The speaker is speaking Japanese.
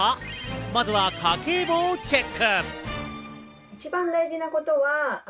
まずは家計簿をチェック。